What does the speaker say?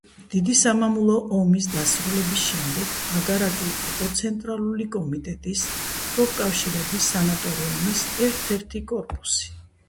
დიდი სამამულო ომის დასრულების შემდეგ აგარაკი იყო ცენტრალური კომიტეტის პროფკავშირების სანატორიუმის ერთ-ერთი კორპუსი.